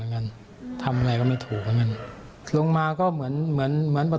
ลงมาจมกองเลือดกันก็ชอบเหมือนกัน